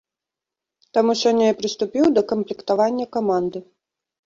Таму сёння я прыступіў да камплектавання каманды.